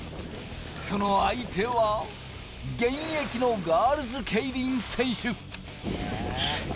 その相手は現役のガールズケイリン選手。